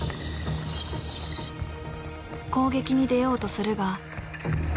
攻撃に出ようとするが。